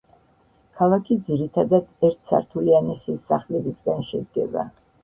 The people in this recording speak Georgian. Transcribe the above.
ქალაქი ძირითადად ერთსართულიანი ხის სახლებისგან შედგება.